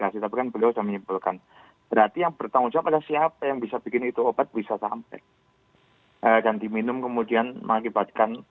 siapa yang bisa melibatkan